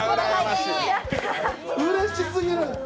うれしすぎる！